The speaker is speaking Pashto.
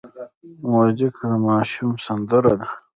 موزیک د ماشوم سندره ده.